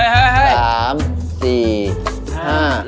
เฮ่ยสามสี่ห้า